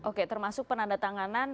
oke termasuk penanda tanganan